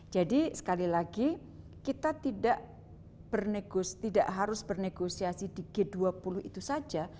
jadi sekali lagi kita tidak harus bernegosiasi di g dua puluh itu saja